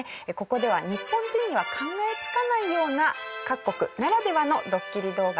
ここでは日本人には考えつかないような各国ならではのドッキリ動画を集めました。